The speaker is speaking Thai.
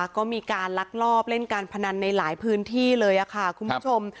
ก็มีการลักลอบเล่นการพนันในหลายพื้นที่เลยค่ะคุณผู้ชม